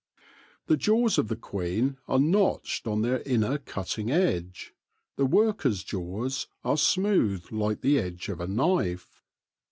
The jaws of the queen are notched on their inner cutting edge : the worker's jaws are smooth like the edge of a knife.